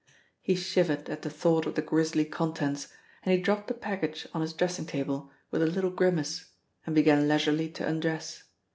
He shivered at the thought of the grisly contents, and he dropped the package on his dressing table with a little grimace and began leisurely to undress.